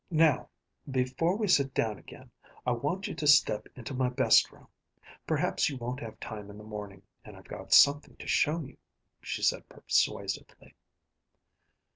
"Now, before we sit down again, I want you to step into my best room. Perhaps you won't have time in the morning, and I've got something to show you," she said persuasively.